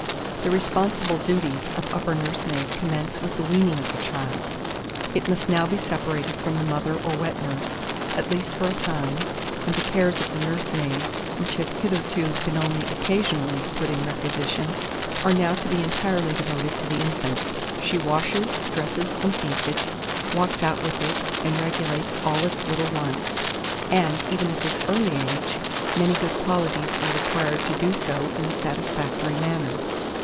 The responsible duties of upper nursemaid commence with the weaning of the child: it must now be separated from the mother or wet nurse, at least for a time, and the cares of the nursemaid, which have hitherto been only occasionally put in requisition, are now to be entirely devoted to the infant. She washes, dresses, and feeds it; walks out with it, and regulates all its little wants; and, even at this early age, many good qualities are required to do so in a satisfactory manner.